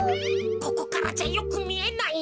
ここからじゃよくみえないな。